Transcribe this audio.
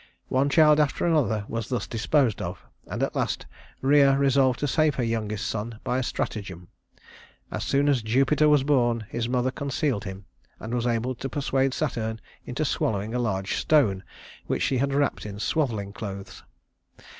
One child after another was thus disposed of; and at last Rhea resolved to save her youngest son by stratagem. As soon as Jupiter was born, his mother concealed him, and was able to persuade Saturn into swallowing a large stone which she had wrapped in swaddling clothes.